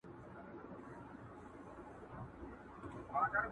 نه هغه تللې زمانه سته زه به چیري ځمه!